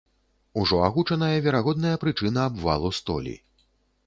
Ужо агучаная верагодная прычына абвалу столі.